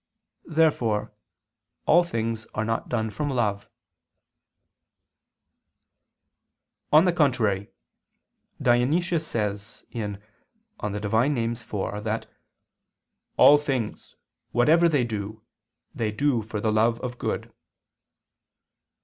Therefore all things are not done from love. On the contrary, Dionysius says (Div. Nom. iv) that "all things, whatever they do, they do for the love of good."